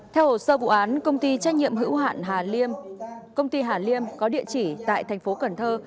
theo hồ sơ vụ án công ty trách nhiệm hữu hạn hà liêm công ty hà liêm có địa chỉ tại thành phố cần thơ